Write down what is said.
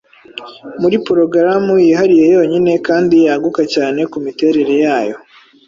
muri porogaramu yihariye yonyine kandi yaguka cyane ku miterere yayo